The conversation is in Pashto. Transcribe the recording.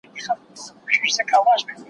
په غوغا به يې په ښار كي ځوان او زوړ كړ